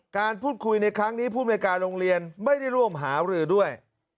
การพูดคุยในครั้งนี้ภูมิในการโรงเรียนไม่ได้ร่วมหารือด้วย